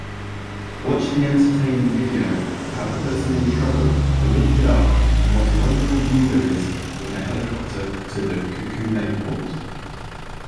Watch the entertaining video of how the person in trouble are lifted up and what a wonderful view there is from the helicopter to the Kakumäe port!